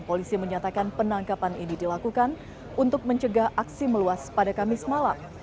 polisi menyatakan penangkapan ini dilakukan untuk mencegah aksi meluas pada kamis malam